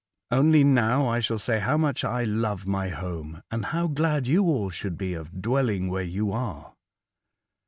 Only now I shall say how much I love my home, and how glad you all should be of dwelling where you are."